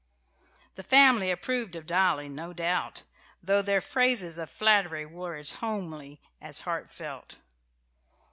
The family approved of Dolly, no doubt, though their phrases of flattery were as homely as heartfelt.